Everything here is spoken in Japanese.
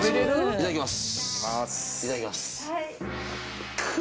いただきます。